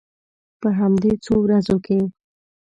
په همدې څو ورځو کې.